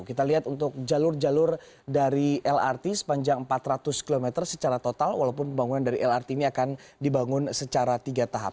kita lihat untuk jalur jalur dari lrt sepanjang empat ratus km secara total walaupun pembangunan dari lrt ini akan dibangun secara tiga tahap